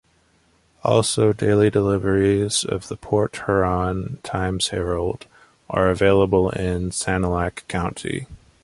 Also daily deliveries of the Port Huron Times Herald are available in Sanilac County.